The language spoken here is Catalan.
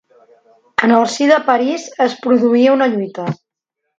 En el si de París es produïa una lluita.